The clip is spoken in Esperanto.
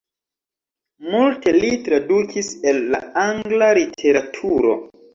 Multe li tradukis el la angla literaturo.